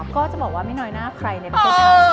ก็จะบอกว่าไม่น่าใครในประเทศนั้น